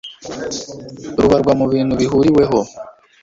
rubarwa mu bintu bihuriweho